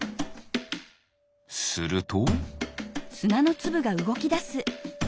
すると。